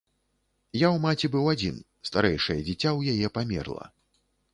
Я ў маці быў адзін, старэйшае дзіця ў яе памерла.